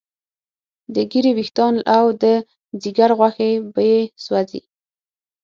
د ږیرې ویښتان او د ځیګر غوښې به یې سوځي.